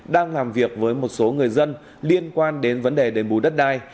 đang làm việc với một số người dân liên quan đến vấn đề đền bù đất đai